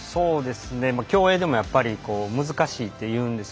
競泳でも、やっぱり難しいというんですよ。